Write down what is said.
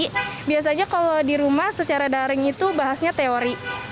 jadi biasanya kalau di rumah secara daring itu bahasnya teori